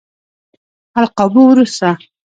القابو وروسته.